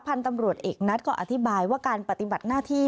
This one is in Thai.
พันธุ์ตำรวจเอกนัทก็อธิบายว่าการปฏิบัติหน้าที่